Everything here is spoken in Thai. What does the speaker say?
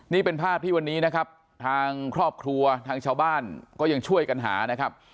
นี่เป็นภาพที่วันนี้นะครับทางครอบครัวทางชาวบ้านก็ยังช่วยกันหานะครับ